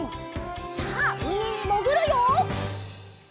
さあうみにもぐるよ！